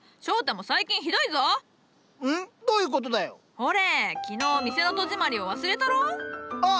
ほれ昨日店の戸締まりを忘れたろう？あっ！